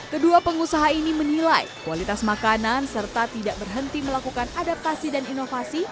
kedua pengusaha ini menilai kualitas makanan serta tidak berhenti melakukan adaptasi dan inovasi